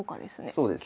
そうですね。